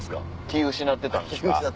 気ぃ失ってたんですか？